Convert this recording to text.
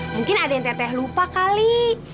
mungkin ada yang t dewi lupa kali